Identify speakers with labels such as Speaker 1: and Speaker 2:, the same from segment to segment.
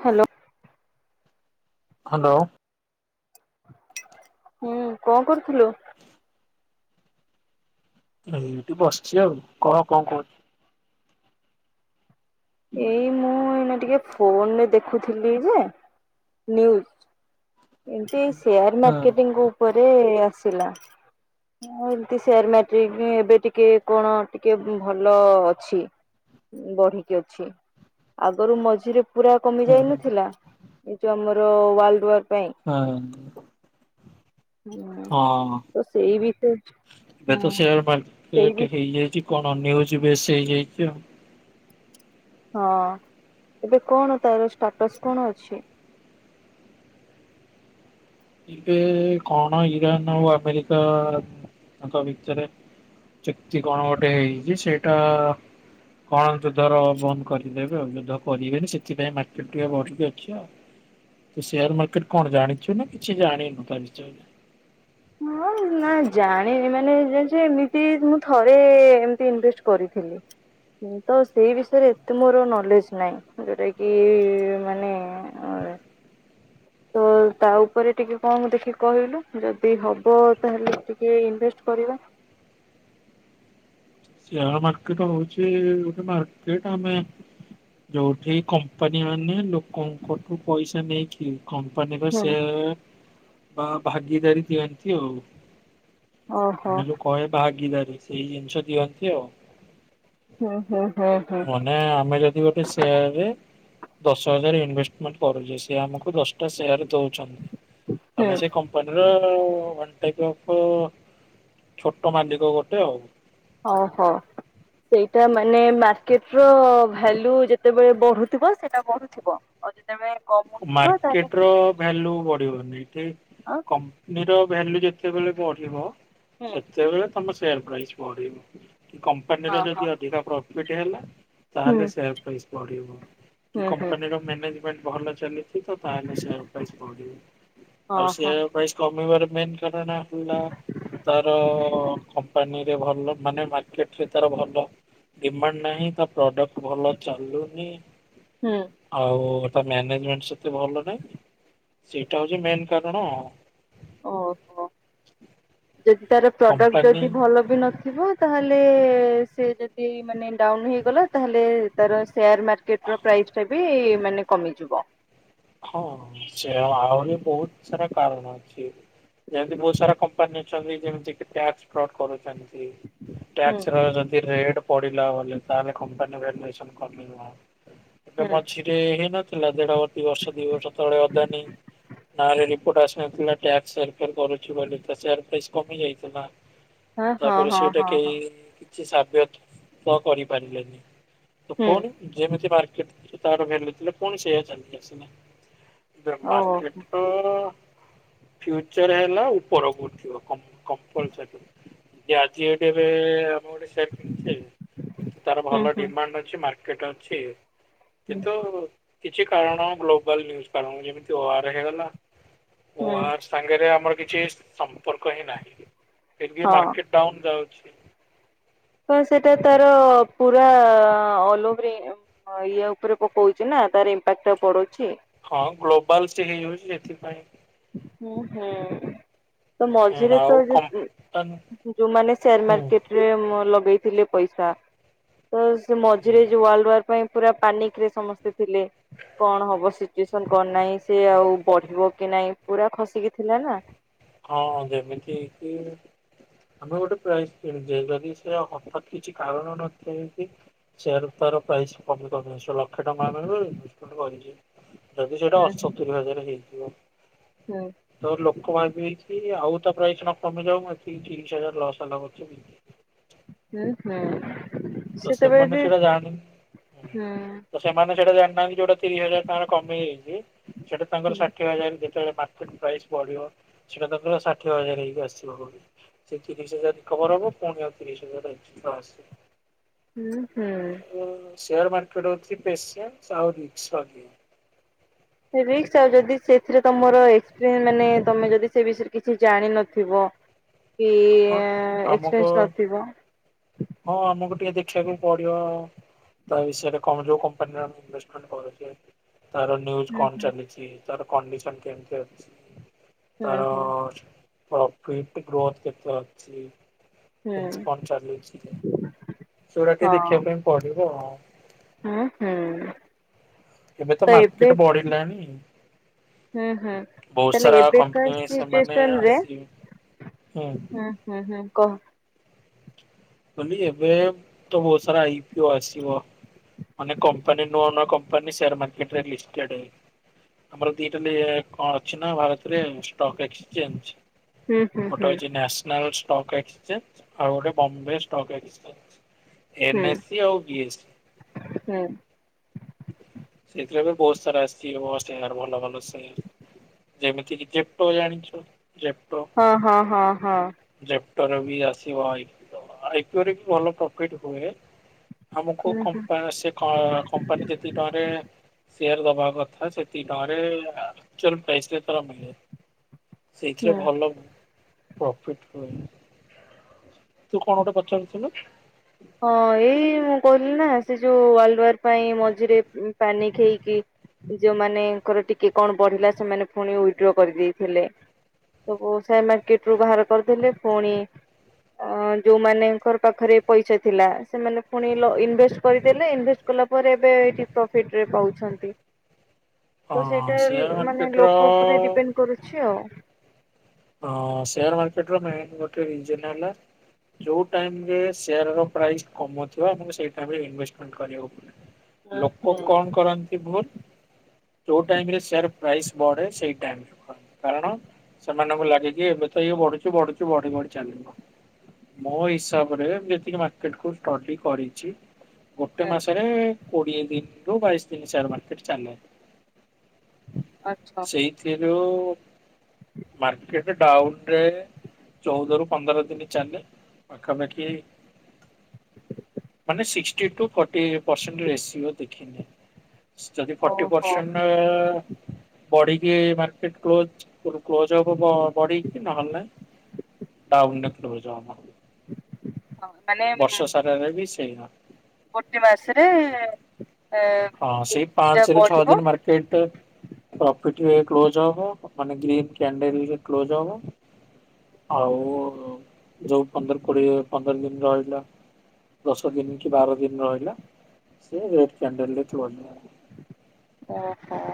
Speaker 1: Hello.
Speaker 2: Hello.
Speaker 1: ହୁଁ କଣ କରୁଥିଲୁ?
Speaker 2: ଏଇଠି ବସିଛି ଆଉ। କହ କଣ କହୁଚୁ?
Speaker 1: ଏଇ ମୁଁ ଏଇନା ଟିକେ ଫୋନରେ ଦେଖୁଥିଲି ଯେ [unintelligible] ଏମିତି ସେୟାର
Speaker 2: ହୁଁ
Speaker 1: ମାର୍କେଟିଙ୍ଗ ଉପରେ ଆସିଲା। ହଁ ଏମିତି ସେୟାର ମାର୍କେଟ ଏବେ ଟିକେ କଣ ଟିକେ ଭଲ ଅଛି। ବଢିକି ଅଛି, ଆଗରୁ ମଝିରେ ପୁରା କମି
Speaker 2: ହୁଁ ହୁଁ
Speaker 1: ଯାଇନଥିଲା? ଏ ଯୋଉ ଆମର ୱାର୍ଲଡ ୱାର ପାଇଁ।
Speaker 2: ହଁ।
Speaker 1: ହଁ ତ ସେଇ ବି ତ
Speaker 2: ଏବେ
Speaker 1: ହୁଁ
Speaker 2: ତ ସେୟାର
Speaker 1: ସେଇ
Speaker 2: ମାର୍କେଟ୍ ହେଇଯାଇଛି କଣ ନିଉଜ୍ ବେଶେ ହେଇଯାଇଚି ଆଉ।
Speaker 1: ହଁ ଏବେ କଣ ତାର ଷ୍ଟାଟସ୍ କଣ ଅଛି?
Speaker 2: ଏବେ କଣ ଇରାନ ଆଉ ଆମେରିକା ତାଙ୍କ ଭିତରେ ଚୁକ୍ତି କଣ ଗୋଟେ ହେଇଚି। ସେଇଟା କଣ ଯୁଦ୍ଧର ବନ୍ଦ କରିଦେବେ। ଏ ଯୁଦ୍ଧ କରିବେନି ସେଥିପାଇଁ ମାର୍କେଟ୍ ଟିକେ ବଢିକି ଅଛି ଆଉ। ତୁ ସେୟାର ମାର୍କେଟ୍ କଣ ଜାଣିଛୁ ନା କିଛି ଜାଣିିନୁ ତା ବିଷୟରେ? ହଁ
Speaker 1: ନା ଜାଣିନି, ମାନେ ଜାଣିଛ ଏମିତି ମୁଁ ଥରେ ଏମତି ଇନଭେଷ୍ଟ କରିଥିଲି। ତ ସେଇ ବିଷୟରେ ଏତେ ମୋର ନଲେଜ୍ ନାଇ। ଯୋଉଟା କି ମାନେ ତ ତା ଉପରେ ଟିକେ କଣ ଦେଖି କହିଲୁ? ଯଦ ତି ହବ ତାହେଲେ ଟିକେ ଇନଭେଷ୍ଟ କରିବା।
Speaker 2: ସେୟାର୍ ମାର୍କେଟ୍ ହଉଛି ଗୋଟେ ମାର୍କେଟ୍ ଆମେ ଯୋଉଠି କମ୍ପାନୀ ମାନେ ଲୋକଙ୍କଠୁ ପଇସା ନେଇକି କମ୍ପାନୀର ସେ
Speaker 1: ହୁଁ
Speaker 2: ବା ଭାଗିଦାରୀ ଦିଅନ୍ତି ଆଉ।
Speaker 1: ଓହୋ
Speaker 2: ଆମେ ଯୋଉ କହେ ଭାଗିଦାରୀ ସେଇ ଜିନିଷ ଦିଅନ୍ତି ଆଉ।
Speaker 1: ହଁ, ହଁ, ହଁ, ହଁ।
Speaker 2: ମାନେ ଆମେ ଯଦି ଗୋଟେ ସେୟାର୍ ରେ ଦଶ ହଜାର ଇନଭେଷ୍ଟମେଣ୍ଟ କରୁଚେ ସେ ଆମକୁ ଦଶଟା ସେୟାର୍ ଦଉଛନ୍ତି।
Speaker 1: ହୁଁ
Speaker 2: ଆମେ ସେ କମ୍ ମ୍ପାନୀର ୱାନ୍ ଟାଇପ୍ ଅଫ୍ ଛୋଟ ମାଲିକ ଗୋଟେ ଆଉ।
Speaker 1: ଓ ହୋ। ସେଇଟା ମାନେ ମାର୍କେଟ୍ ର ଭେଲ୍ୟୁ ଯେତେବେଳେ ବଢୁଥିବ ସେଟା ବହୁ ତ ଥିବ। ଓ ଯେତେବେଳେ କମ୍
Speaker 2: ମାର୍କେଟ୍ ର ଭେଲ୍ୟୁ ବଢିବନି। ଏଠି
Speaker 1: ହଁ
Speaker 2: କମ୍ପନୀର ଭେଲ୍ୟୁ ଯେତେବେଳେ ବଢିବ
Speaker 1: ହୁଁ
Speaker 2: ସେ ସେତେବେଳେ ତୋମ ସେୟାର୍ ପ୍ରାଇସ୍ ବଢିବ। କି କମ୍ପାନୀର
Speaker 1: ହଁ
Speaker 2: ଯଦି
Speaker 1: ହଁ
Speaker 2: ଅଧିକା ପ୍ରଫିଟ୍ ହେଲା।
Speaker 1: ହୁଁ।
Speaker 2: ତାହେଲେ ସେୟାର୍ ପ୍ରାଇସ୍ ବଢ଼ିବ। କି
Speaker 1: ହୁଁ ହୁଁ
Speaker 2: କମ୍ପାନୀର ମ୍ୟାନେଜମେଣ୍ଟ ଭଲ ଚାଲେ ସିତ ତାହେଲେ ସେୟାର୍ ପ୍ରାଇସ୍ ବଢିବ। ଆଉ
Speaker 1: ଓହୋ
Speaker 2: ସେୟାର୍ ପ୍ରାଇସ୍ କମିବାର ମେନ୍ କାରଣ ହେଲା ତାର କମ୍ପାନୀରେ ଭଲ ମାନେ ମାର୍କେଟ୍ ରେ ତାର ଭଲ ଡିମାଣ୍ଡ ନାହିଁ, ତା ପ୍ରଡକ୍ଟ ଭଲ ଚାଲୁନି।
Speaker 1: ହୁଁ।
Speaker 2: ଆଉ ତା ମାନେଜମେଣ୍ଟ ସେତେ ଭଲ ନାହିଁ। ସେଇଟା ହଉଛି ମେନ୍ କାରଣ।
Speaker 1: ଓହୋ! ଯଦି ତାର ପ୍ରଡକ୍ଟ
Speaker 2: କମ୍ପାନୀ
Speaker 1: ଯଦି ଭଲ ବି ନଥିବ ତାହେଲେ ସେ ଯଦି ମାନେ ଡାଉନ୍ ହେଇଗଲା। ତାହେଲେ ତାର ସେୟାର୍ ମାର୍କେଟ୍ ର ପ୍ରାଇସ୍ ଟା ବି ମାନେ କମିଯିବ।
Speaker 2: ହଁ, ହଁ ସେୟା ଆହୁରି ବହୁତ ସାରା କାରଣ ଅଛି। ଯେମିତି ବହୁତ ସାରା କମ୍ପାନୀ ଅଛନ୍ତି ଯେମିତି କି ଟ୍ୟାକ୍ସ ଫ୍ରଟ୍ କରୁଛନ୍ତି।
Speaker 1: ହୁଁ
Speaker 2: ଟ୍ୟାକ୍ସର ଯଦି ରେଡ୍ ପଡିଲା ଭଲେ ତାହେଲେ କମ୍ପାନୀ ଭେଲୁଏସନ୍ କମିବ। ଯୋଉ
Speaker 1: ହୁଁ
Speaker 2: ମଝି ଯେ ହେଇନଥିଲା ଦେଢବ ଦି ବର୍ଷ ଦି ବର୍ଷ ତଳେ ଆଦାନୀ ନହେଲେ ରିପୋର୍ଟ ଆସିନଥିଲା ଟ୍ୟାକ୍ସ ହେର୍ ଫେର୍ କରୁଛି ବୋଲି। ତ ସେୟାର୍ ପ୍ରାଇସ୍ କମି ଯାଇଥିଲା।
Speaker 1: ହଁ ହଁ
Speaker 2: ତାପରେ
Speaker 1: ହଁ
Speaker 2: ସେଇଟା
Speaker 1: ହଁ
Speaker 2: କେଇ
Speaker 1: ହଁ
Speaker 2: କିଛି ସାବ୍ୟଥ ତ କରିପାରଲେନି। ତ
Speaker 1: ହୁଁ
Speaker 2: ଫୁଣି ଯେମିତି ମାର୍କେଟ୍ ତାର ଭେଲ୍ୟୁ ଥିଲା ପୁଣି ସେୟା ଚାଲିଲା। ସେମା ଯୋ
Speaker 1: ଓହୋ
Speaker 2: ମାର୍କେଟ୍ ର ଫ୍ୟୁଚର୍ ହେଲା ଉପରକୁ ଉଠିବ କମ୍ପ କମ୍ପଲସରୀ। ଯେ ଆଜି ଏଇଠି ଏବେ ଓଡିଶା କିଣିଛି କିନ୍ତୁ ତାର
Speaker 1: ହୁଁ
Speaker 2: ଭଲ
Speaker 1: ହୁଁ
Speaker 2: ଡିମାଣ୍ଡ ଅଛି ମାର୍କେଟ ଅଛି।
Speaker 1: ହୁଁ
Speaker 2: କିନ୍ତୁ କିଛି କାରଣ ଗ୍ଲୋବାଲ୍ କାରଣ ଯେମିତି ଓଆର ହେଇଗଲା।
Speaker 1: ହୁଁ
Speaker 2: ଓଆର ସାଙ୍ଗରେ ଆମର କିଛି ସମ୍ପର୍କ ହିଁ ନାହିଁ ଏବେ
Speaker 1: ହଁ।
Speaker 2: ମାର୍କେ ଡାଉନ୍ ଯାଉଛି।
Speaker 1: କଣ ସେଟା ତାର ପୁରା ଅଲଓଭର୍। ହଁ ଇଏ ଉପରେ ପକଉଛି ନା ତାର ଇମ୍ପାକ୍ଟ ଟା ପଡୁଛି।
Speaker 2: ହଁ ଗ୍ଲୋବାଲଷ୍ଟି ହେଇଯାଉଛି ସେଥିପାଇଁ।
Speaker 1: ହୁଁ ହୁଁ। ତ ମଝିରେ ତ
Speaker 2: ଆଉ କମ୍ପାନୀ
Speaker 1: ଜୁମାନେ ଶେୟାର ମାର୍କେଟ। ଲଗେଇଥିଲେ ପଇସା ତ ସେ ମଝିରେ ୱାର୍ଲଡ ୱାର ପାଇଁ ପୁରା ପାନିକରେ ସମସ୍ତେ ଥିଲେ କଣ ହବ ସିଚୁଏସନ କଣ ନାହିଁ ସେ ଆଉ
Speaker 2: ହୁଁ।
Speaker 1: ବଢିବ। କି ନାଇଁ ପୁରା ଖସିକି ଥିଲା ନା।
Speaker 2: ହଁ ଯେମିତି କି ଆମେ ଗୋଟେ ପ୍ରାଇଜ କିଣିଛେ ଯଦି ସେ ହଠତ୍ କିଛି କାରଣ ନଥାଏ କି। ସେୟାର ତାର ପ୍ରାଇଜ କମି କମ ଲକ୍ଷେ ଟଙ୍କା ଆମ [unintelligible] କରିକି। ଯଦି ସେଇଟା
Speaker 1: ହୁଁ
Speaker 2: ଆଠ ସତୁରି ହଜରେ ହେଇଥିବ।
Speaker 1: ହୁଁ।
Speaker 2: ତୋ ଲୋକ ଭାବିକି ହେଇଛି ଆଉ ତା ପ୍ରାଇସ ନା କମିଯାଉ ଏତିକି ତିରିଶ ହଜାର ଲସ୍ ହେଲେ ହବ କେମିତି।
Speaker 1: ହୁଁ ହୁଁ
Speaker 2: ତ
Speaker 1: ସେତେବେଳେ
Speaker 2: ସେମାନେ
Speaker 1: ବି
Speaker 2: ସେଇଟା ଜାଣି
Speaker 1: ହୁଁ।
Speaker 2: ତ ସେମାନେ ସେଇଟା ଜାଣିନାହାନ୍ତି ଯୋଉଟା ତିରିଶ ହଜାର ଟଙ୍କା କମଯାଇଛି ସେଟା ତାଙ୍କର ସାଠି କିଏ ବା ଜାଣିଛି ମାର୍କେଟ ପ୍ରାଇସ୍ ବଢିବ ସେଇଟା ତାଙ୍କର ଷାଠିଏ ହଜାର ହେକି ଆସିବ ବଢ଼ିକି। ସେ ତିରିଶ ହଜାର ରିକୋଭୋର ହବ ପୁଣି ଆଉ ତିରିଶ ହଜାର ଆସିବ।
Speaker 1: ହୁଁ ହୁଁ।
Speaker 2: ଶେଆର ମାର୍କେଟ ହଉଛି ପେଶିଆର ଆଉ ମିଛ ଇଏ
Speaker 1: ସେ ରିକ୍ ସି ଆଉ ଯଦି ସେଥିରେ ତମର ଏକ୍ସପିରିସ ମାନେ ତମେ ଯଦି ସେ ବିଷୟରେ କିଛି ଜାଣିନଥିବ।
Speaker 2: ହଁ
Speaker 1: କିଏ
Speaker 2: ଆମକୁ
Speaker 1: ଏକ୍ସପ୍ରେସ ଧରିଥିବ।
Speaker 2: ହଁ ଆମକୁ ଟିକେ ଦେଖିବାକୁ ପଡିବ ଆଉ। ତା ବିଷୟରେ କଣ ଯୋଉ କମ୍ପାନୀରେ ଆଉ ଇନେଷ୍ଟମେଣ୍ଟ କରୁଛେ ତାର ନ୍ୟୁଜ
Speaker 1: ହୁଁ
Speaker 2: କଣ
Speaker 1: ହୁଁ।
Speaker 2: ଚାଲିଛି ତାର କଣ୍ଡିସନ କେମତି ଅଛି?
Speaker 1: ହୁଁ
Speaker 2: ତାର
Speaker 1: ହୁଁ
Speaker 2: ପ୍ରଫିଟ ଗ୍ରୋଥ କେତେ ଅଛି
Speaker 1: ହୁଁ
Speaker 2: କେମିତି କଣ ଚାଲିଛି। ସେଇଗୁଡା ଟିକେ
Speaker 1: ହଁ
Speaker 2: ଦେଖିବା ପାଇଁ ପଡିବ ଆଉ।
Speaker 1: ହୁଁ ହୁଁ।
Speaker 2: ଏବେ ତ ମାର୍କେଟ ବଢିଲାଣିି।
Speaker 1: ହୁଁ ହୁଁ।
Speaker 2: ବହୁତ
Speaker 1: ତାହେଲେ
Speaker 2: ସାରା
Speaker 1: ଏବେକା
Speaker 2: କମ୍ପାନୀ ସେମାନେ
Speaker 1: ସିଚୁଏସନ ରେ
Speaker 2: ଆସିବେ ହୁଁ।
Speaker 1: ହୁଁ ହୁଁ ହୁଁ କହ?
Speaker 2: ବୋଲି ଏବେ ତ ବହୁତ ସାରା ଆଇ ପିଓ ଆସିିବ। ମାନେ କମ୍ପାନୀ ନୂଆ ନୂଆ କମ୍ପାନୀ ସେୟାର ମାର୍କେଟ ରେ ଲିଷ୍ଟଟେଡ୍‌। ଆମର ଦିଟା ଲେ କଣ ଅଛି ନା ଭାରତରେ ଷ୍ଟକ୍ ଏକ୍ସଚେଞ୍ଜ।
Speaker 1: ହୁଁ ହୁଁ
Speaker 2: ଗୋଟେ
Speaker 1: ହୁଁ
Speaker 2: ହଉଛି ନ୍ୟସନାଲ ଷ୍ଟକ ଏକ୍ସଚେଞ୍ଜ ଆଉ ଗୋଟେ ବମ୍ବେ ଷ୍ଟକ୍ ଏକ୍ସଚେଞ୍ଜ
Speaker 1: ହୁଁ
Speaker 2: ଏନ୍ଏସି ଆଉ ବି ଏସ୍।
Speaker 1: ହୁଁ।
Speaker 2: ସେଇଥିରେ ଏବେ ବହୁତ ସାରା ଆସିଛି [unintelligible] ଭଲ ଭଲ ସେୟାର। ଯେମିତି କିି ଜେପଟୋ ଜାଣିଛ ଜେପଟ୍ରୋ।
Speaker 1: ହଁ ହଁ ହଁ ହଁ।
Speaker 2: ଜେପଟୋରେ ବି ଆସିବ ଇପ-ଇପଟୋ ରେ ବି ଭଲ ପ୍ରଫିଟ ହୁଏ। ଆମକୁ
Speaker 1: ହୁଁ ହୁଁ
Speaker 2: କମ୍ପା ସେ କମ୍ପାନୀ ଯେତିକି ଟଙ୍କା ସେୟାର ଦବା କଥା ସେତିକି ଟଙ୍କରେ ଏକ୍ଟୁଆଲ ପ୍ରାଇଜ୍ ତର ମିଳେ। ସେଇଥିରେ
Speaker 1: ହୁଁ।
Speaker 2: ଭଲ। ପ୍ରଫିଟ ହୁଏ ତୁ କଣ ଗୋଟେ ପଚାରୁଥିଲୁ?
Speaker 1: ହଁ ଏଇ ମୁଁ କହିଲି ନା ସେ ଯୋଉ ୱାର୍ଲ ୱାର ପାଇଁ ମଝିରେ ପାନିକ ହେଇକି। ଯୋଉ ମାନେଙ୍କର ଟିକେ କଣ ବଢିଲା ସେମାନେ ଉଇଡ୍ରୋ କରିଦେଇଥିଲେ। ସବୁ ସେୟାର ମାର୍କେଟ ରୁ ବାହାର କରିଦେଲେ ପୁଣି ଅ ଯୋଉ ମାନଙ୍କର ପାଖରେ ପଇସା ଥିଲା ସେମାନେ ପୁଣି ଇନଭେଷ୍ଟ କରିଦେଲେ ଇନଭେଷ୍ଟ କଲା ପରେ ଏବେ ଏଇଠି ପ୍ରଫିଟ ରେ ପାଉଛନ୍ତି।
Speaker 2: ହଁ
Speaker 1: ତ ସେଇଟା
Speaker 2: ସେୟାର
Speaker 1: ମାନେ
Speaker 2: ମାର୍କେଟ ର
Speaker 1: ଲୋକ ଉପରେ ଡିପେଣ୍ଡ କରୁଛି ଆଉ।
Speaker 2: ହଁ ସେୟାର ମାର୍କେଟ ର ମେନ୍ ଗୋଟେ ରିଜିନ ହେଲା ଯଉ ଟାଇମ ରେ ସେୟାର ର ପ୍ରାଇସ୍ କମ ଥିବ ଆମ ସେଇ ଟାଇମ ରେ ଇନଭେଷ୍ଟ କରିବାକୁ
Speaker 1: ହୁଁ
Speaker 2: ପଡିବ ଲୋକ
Speaker 1: ହୁଁ ହୁଁ
Speaker 2: କଣ କରନ୍ତି ଭୁଲ ଯୋଉ ଟାଇମରେ ସେୟାର ପ୍ରାଇସ୍ ବଢେ ସେଇ ଟାଇମ କରନ୍ତି କାରଣ ସେମାନଙ୍କୁ ଲାଗେ କି ଏବେ ତ ଇଏ ବଢୁଚି ବଢୁଚୁ ବଢି ବଢି ଚାଲିବ। ମୋ ହିସାବରେ ଯେତିକି ମାର୍କେଟ କୁ ଷ୍ଟଡି କରିଛି। ଗୋଟେ ମାସରେ କୋଡିଏ ଦିନରୁୁ ବାଇଶ ଦିନ ସେୟାର ମାର୍କେଟ ଚାଲେ।
Speaker 1: ଅଛ।
Speaker 2: ସେ ଯୋର ମାର୍କେଟ ଡାଉନ ରେ ଚଉଦ ର ପନ୍ଦର ଦିନ ଚାଲେ। ପାଖାପଖି ମାନେ ସିକ୍ଟି ଫଟି ପରସେଣ୍ଟ ରେସିପିର ଦେଖେଇବେ। ଯଦି ଫର୍ଟି
Speaker 1: ଓହୋ
Speaker 2: ପରସେଣ୍ଟ ବଢିକି ମାର୍କେଟ୍ କ୍ଲୋଜ୍ କ୍ଲୋଜ ହବ ବଢିକି ନହେଲେ ଡାଉନରେ କ୍ଲୋଜ୍‌ ହଵ।
Speaker 1: ହୁଁ [unintelligible]
Speaker 2: ବର୍ଷ ସାରାରେ ବି ସେଇଆ।
Speaker 1: ଗୋଟେ ମାସରେ ଏ
Speaker 2: ହଁ ସେଇ
Speaker 1: କିଛିଟା
Speaker 2: ପାଞ୍ଚରୁ ଛଅ
Speaker 1: ବଢିବ
Speaker 2: ଦିନ ମାର୍କେଟେ। ପ୍ରଫିଟି କ୍ଲୋଜ୍‌ ହବ ମାନେ ଗ୍ରୀନ କ୍ୟାଣ୍ଡେଲ କ୍ଲୋଜ ହବ। ଆଉ ଯୋଉ ପନ୍ଦର କୋଡିଏ ପନ୍ଦର ଦିନ ରହିଲା। ଦଶ ଦିନ କି ବାର ଦିନ ରହିଲା ସେ ରେଡ୍‌ କ୍ୟାଣ୍ଡେଲରେ ତୁଳ ନିୟ।
Speaker 1: ଓହୋ।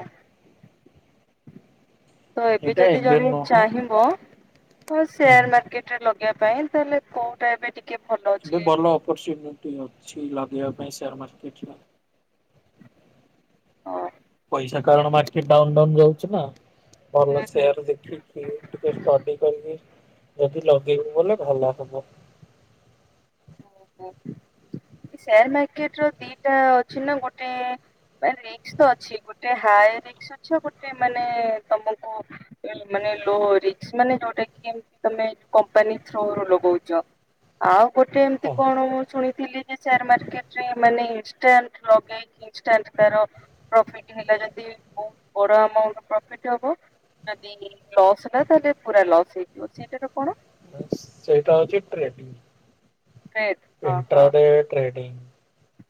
Speaker 1: ତ ଏବେ
Speaker 2: ଏଇଟା
Speaker 1: ଯଦି ଜଣେ
Speaker 2: ନୁହଁ
Speaker 1: ଚାହିଁବ ତ
Speaker 2: ହୁଁ
Speaker 1: ସେୟାର ମାର୍କେଟ ଟ୍ରେ ଲଗେଇବା ପାଇଁ ତାହେଲେ କୋଉଟା ଏବେ ଟିକେ ଭଲ
Speaker 2: ଏବେ
Speaker 1: ଅଛି?
Speaker 2: ଭଲ ଅପରଚୁନିଟି ଅଛି ଲଗେଇବା ପାଇଁ ସେୟାର ମାର୍କେଟରେ।
Speaker 1: ଅ।
Speaker 2: ପଇସା କାରଣ ମାର୍କେଟ ଡାଉନଡାଉ ଯାଉଛି ନା ଭଲ
Speaker 1: ହୁଁ ହୁଁ
Speaker 2: ସେୟାର ଦେଖି ଟିକେ ଷ୍ଟଡି କରିକି ଯଦି ଲଗେଇବୁ ବୋଲେ ଭଲ ହବ।
Speaker 1: ଓହୋ ସେୟାର ମାର୍କେଟ ର ଦିଟା ଅଛି ନା ଗୋଟେ ମାନେ ରିକ୍ସ୍ତ ଅଛି ଗୋଟେ ହାଇ ରିକ୍୍ସ ଆଉ ଗୋଟେ ମାନେ ତମକୁ ମାନେ ଲୋ ରିକ୍ସ୍ର ମାନେ ଯୋଉଟା କି ତମେ କମ୍ପାନୀଥ୍ରୋ ରେ ଲଗଉଚ଼। ଆଉ ଗୋଟେ ଏମିତି
Speaker 2: ହଁ
Speaker 1: କଣ ମୁଁ ଶୁଣି ଥିଲି ଯେ ସେୟାର ମାର୍କେଟ ରେ ମାନେ ଇନ୍‌ଷ୍ଟା ବ୍ଲଲକ୍। ଇଷ୍ଟା ତାର ପ୍ରଫିଟ ହେଲା ଯଦି ବ ବଡ ଆ ପ୍ରଫିଟ ହବ ଯଦି। ଲସ୍ ଟ ତାହଲେ ପୁରା ଲସ୍ ହେଇଯିବ ସେଇଟାର କଣ?
Speaker 2: ସେଇଟା ହଉଚି ଟ୍ରେଡ
Speaker 1: ଟ୍ରେଡ ହଁ
Speaker 2: ଇଣ୍ଟ।
Speaker 1: ହଁ
Speaker 2: ରେ ଟ୍ରେଡ୍‌।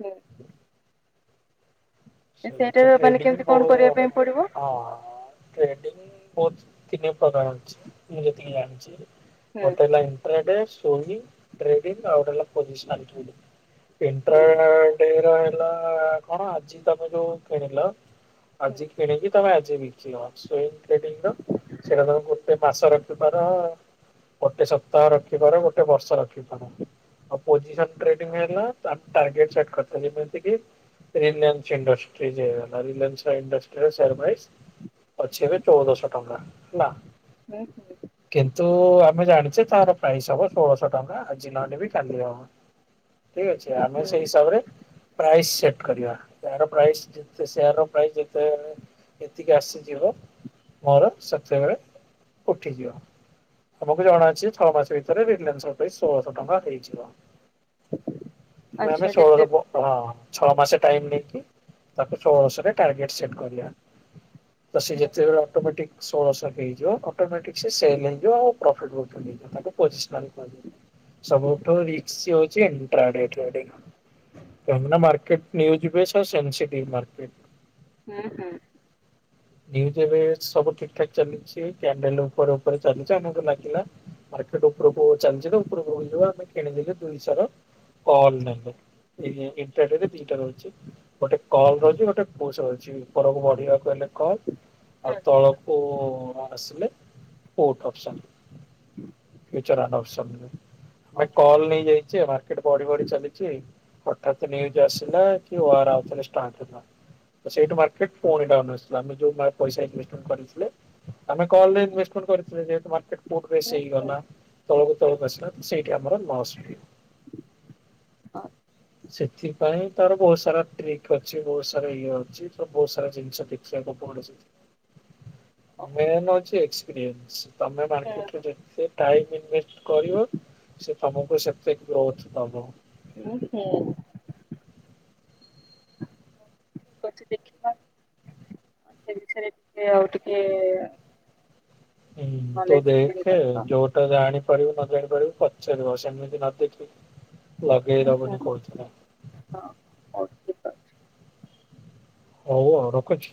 Speaker 1: ହୁଁ।
Speaker 2: ସେଇଟ
Speaker 1: ସେଇଟାର ମାନେ
Speaker 2: ଟ୍ରେଡିଂ
Speaker 1: କେମିତି
Speaker 2: ବୋ
Speaker 1: କଣ କରିବା ପାଇଁ ପଡିବ
Speaker 2: ହଁ। ଟ୍ରେଡି ବହୁତ ତିନି ପ୍ରକାର ଅଛି ମୁଁ ଯେତିକି ଜାଣିଛି
Speaker 1: ହୁଁ।
Speaker 2: Hotel line. Trade so trading ଆଉେ ପୋଜିିସନ୍ ଆ ଏଣ୍ଟର।
Speaker 1: ହୁଁ
Speaker 2: ଡେର ହେଲା କଣ ଆଜି ତମେ ଯୋଉ କିଣିଲ
Speaker 1: ହୁଁ
Speaker 2: ଆଜି କିଣିକି ତମେ ଆଜି ବି ର ସେଟା ତମ ଗୋଟେ ମାସ ରଖିବାର ଗୋଟେ ସପ୍ତାହ ରଖିପର ଗୋଟେ ବର୍ଷ ରଖିପାର। ଆଉ ପୋଜିସନ ଟେଡି ହେଲା ଟଗେଟ କରି ଯେମତି ରେଲିଆ ଇଣ୍ଡଷ୍ଟ୍ରି ଯେ ରିଲୟନ୍ସ ଇଣ୍ଡଷ୍ଟ୍ରି ସେରମାଇସ ପଛେ ଏବେ ଚଉଦଶହ ଟଙ୍କା ନା ହେଲା।
Speaker 1: ବ [inaudible]
Speaker 2: କିନ୍ତୁ ଆମେ ଜାଣିଛେ ତାର ପ୍ରାଇସ୍ ହବ ଷୋଳଶହ ଟଙ୍କା ଆଜି ନହେଲେ ବି କାଲି ହବ। ଠିକ
Speaker 1: ହୁଁ
Speaker 2: ଅଛି
Speaker 1: ହୁଁ
Speaker 2: ଆମେ ସେଇ
Speaker 1: ହୁଁ
Speaker 2: ହିସାବରେ ପ୍ରାଇସ ସେଟ କରିବା। ସୋର ପ୍ରାଇ ଯେେ ସେୟାର ର ପ୍ରାଇସ୍ ଯେତେ ଏତିକି ଆସିଯିବ ମୋର ସେତେବେଳେ ଉଠିଯିବ। ଆମକୁ ଜଣାଅଛି ଛଅ ମାସ ଭିତରେ ରିଲାନ୍ସ ର ପାଇଁ ଷୋଳଶହ ଟଙ୍କା ହେଇଯିବ। ଆମେ
Speaker 1: ଆଚ୍ଛା
Speaker 2: ଷୋଳଶ
Speaker 1: ଯେତେ
Speaker 2: ହଁ ଛଅ ମାସେ ଟାଇମ ନେଇ ତାକୁ ଷୋଳରେ ଟାର୍ଗେଟ ସେଟ କରିବା ସେ
Speaker 1: ହୁଁ
Speaker 2: ଯେତେ ଅଟୋମେଟିକ ଷୋଳଶହ ହେଇଯିବ ଅଟୋମେଟିକ ସେ ସେଲ ହେଇଯିବ ଆଉ ପ୍ରଫିଟ୍ ମଧ୍ୟ ମିଳିଯିବ ତାକୁ ପୋଜଶୋନାଲ କୁହାଯି ସବୁଠୁ ରିକ୍ ହଉଛି କାହିଁକି ନା ମାର୍କଟ ନନ୍ୟୁଜ ବିଛ ସେନ୍ସିଟି ମାାର୍କଟ।
Speaker 1: ହୁଁ ହୁଁ।
Speaker 2: ନ୍ୟୁଜ ଏବେ ସବୁ ଠିକ ଠାକ ଚାଲିଛି କ୍ୟାଣ୍ଡେଲ ଉପରେ ଉପରେ ଚାଲିଛି ଆମକୁ ଲାଗିଲା ମାର୍କେଟ ଉପରକୁ ଚାଲିଛି ତ ଉପରକୁ ବଯିବ ଆମେ କିଣିଦେଲେ ଦୁଇଶର କଲ ନେ ଏଇଇଟାଟ ଦିଟା ରହୁଛି ଗୋଟେ କଲ ରହିଛି ଗୋଟେ ପୋଷ ରହିଛି ଉପରକୁ ବଢିବାକୁ ହେଲେ କଲ ଆ ତଳପ ମାନସିଲ କଉଠ ଅପସନ।
Speaker 1: ହୁଁ।
Speaker 2: ଆମେ କଲ ନେଇ ଯାଇଛେ ବଢି ବଢି ଚାଲିଛି। ନ୍ୟୁଜ୍ ଆସିଲା କି ଓ ଆଥିଲେଷ୍ଟାର୍ ହେଲା ସେଇଠ ମ ସେ ପୁଣି ଡାଉନ୍ ଅସିଲ ଯଉ ପଇସା ଇଷ୍ଟମ କରିଥିଲେ ଆେ କଇମ ଟରେ ସେଇ ଗଲା ତଳକୁ ତଳକୁ ଆସିଲା ସେଇଠି ଆମର ନସ ମି
Speaker 1: ଆ [inaudible]
Speaker 2: ସେଥିପାଇଁ ତାର ବହୁତ ସାରା ଫିକ ଅଛି ବହୁତ ସାରା ଇଏ ଅଛି ତୁ ବହୁତ ସାରା ଜିନିଷ ଦେଖିବାକୁ ପଡଛି। ମେନ୍ ହଉଛି ଏସପିରିଏନ୍ସ ତମେ ମାର୍କେଟରେ ଯେ ଟାଇମ ଇନଭେଷ୍ଟ କର ସେ ତମକୁ ସେତକ ରଥ ତବ।
Speaker 1: ହଁ ହୁ। ହ ଠିକ ଅଛି ଦେଖିବା [unintelligible] ସେ ବିଷୟରେ ଟିକେ ଆଉ ଟିକେ
Speaker 2: ହୁଁ ତୁ
Speaker 1: ନଲେଜ ଗେନ୍
Speaker 2: ଦେଖେ
Speaker 1: କରିବା।
Speaker 2: ଯୋ ଜାଣିପାରିବୁ ନ ଜାଣି ପାରିବୁ ପଚାରିବ ସେମିତି ନ ଦେଖି
Speaker 1: ହୁଁ
Speaker 2: ଲଗେଇଦ
Speaker 1: ହୁଁ
Speaker 2: ବୋଲି କହୁଥିରେ।
Speaker 1: ହଁ ହଉ ଠିକଛି [inaudible]
Speaker 2: ହଉ ହଉ ରଖୁଛି।